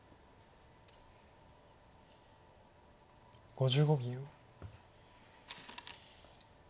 ５５秒。